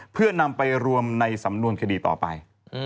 เพื่อนำไปรวมในสำนวนคดีต่อไป